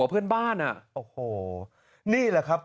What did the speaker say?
ทุกท่านนี่แหละครับ